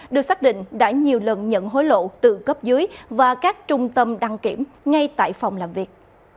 được xác định đã nhiều lần nhận hối lộ từ cấp dưới và các trung tâm đăng kiểm ngay tại phòng làm việc